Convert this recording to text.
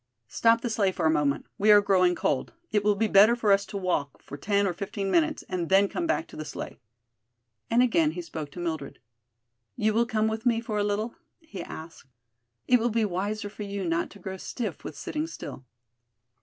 "Stop the sleigh for a moment. We are growing cold. It will be better for us to walk for ten or fifteen minutes and then come back to the sleigh." Again he spoke to Mildred. "You will come with me for a little?" he asked. "It will be wiser for you not to grow stiff with sitting still."